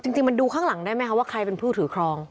จริงมันดูข้างหลังได้ไหมคะว่าใครเป็นผู้ถือครอง